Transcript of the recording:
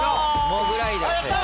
モグライダー正解。